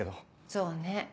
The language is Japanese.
そうね。